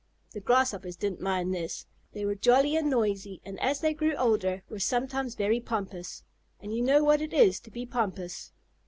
The Grasshoppers didn't mind this. They were jolly and noisy, and as they grew older were sometimes very pompous. And you know what it is to be pompous.